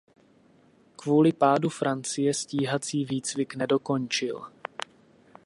Kvůli pádu Francie stíhací výcvik nedokončil.